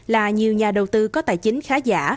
là nhiều nhà đầu tư có tài chính khá giả